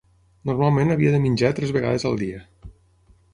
Normalment havia de menjar tres vegades al dia.